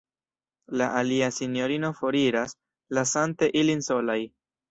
La alia sinjorino foriras, lasante ilin solaj.